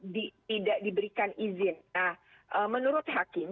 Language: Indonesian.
di tidak diberikan izin menurut hakim